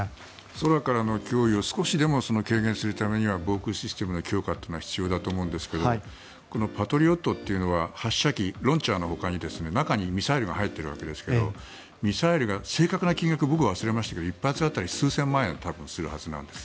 空からの脅威を少しでも軽減するためには防空システムの強化というのは必要だと思うんですがパトリオットというのは発射機ランチャーのほかに中にミサイルが入っているわけですがミサイルが正確な金額は僕はわかりましたが１発当たり数千万円ぐらいするはずなんです。